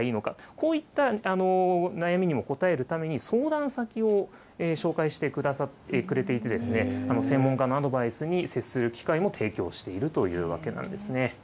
こういった悩みにもこたえるために、相談先を紹介してくれていて、専門家のアドバイスに接する機会も提供しているというわけなんですね。